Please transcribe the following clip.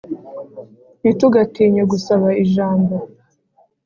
ntitugatinye gusaba ijambo